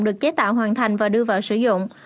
được chế tạo hoàn thành và đưa vào sử dụng